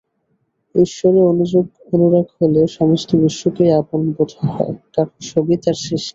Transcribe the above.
ঈশ্বরে অনুরাগ হলে সমস্ত বিশ্বকেই আপন বোধ হয়, কারণ সবই তাঁর সৃষ্টি।